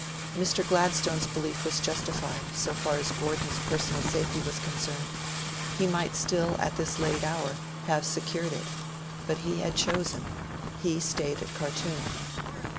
Mr. Gladstone's belief was justified; so far as Gordon's personal safety was concerned, he might still, at this late hour, have secured it. But he had chosen he stayed at Khartoum.